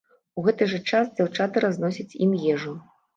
У гэты ж час дзяўчаты разносяць ім ежу.